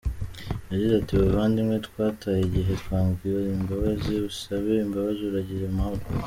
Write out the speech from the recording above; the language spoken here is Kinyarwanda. Yagize ati “Bavandimwe twataye igihe, tanga imbabazi usabe imbabazi uragira amahoro.